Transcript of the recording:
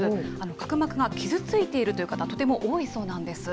角膜が傷ついているという方、とても多いそうなんです。